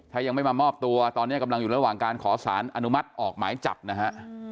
ถ้ายังไม่มามอบตัวตอนนี้กำลังอยู่ระหว่างการขอสารอนุมัติออกหมายจับนะฮะ